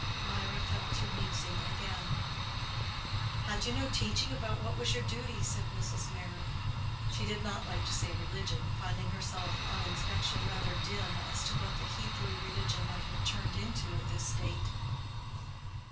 Mirah fell to musing again. "Had you no teaching about what was your duty?" said Mrs. Meyrick. She did not like to say "religion"—finding herself on inspection rather dim as to what the Hebrew religion might have turned into at this date.